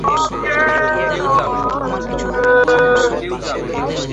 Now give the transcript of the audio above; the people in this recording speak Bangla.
কারণ, তারা ঐরূপ স্ত্রী-মঠের উপকারিতা সহজেই বুঝতে পারবে।